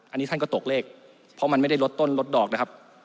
อันนี้ท่านก็ตกเลขเพราะมันไม่ได้ลดต้นลดดอกนะครับ